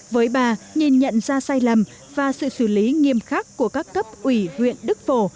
với bà nhìn nhận ra sai lầm và sự xử lý nghiêm khắc của các cấp ủy huyện đức phổ